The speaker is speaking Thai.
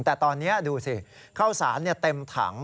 แต่ตอนนี้ดูสิข้าวสารเต็มถัง